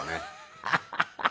ハハハハ。